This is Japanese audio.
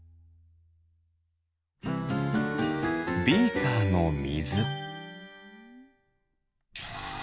ビーカーのみず。